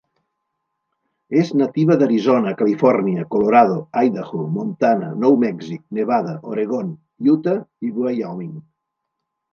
És nativa d'Arizona, Califòrnia, Colorado, Idaho, Montana, Nou Mèxic, Nevada, Oregon, Utah i Wyoming.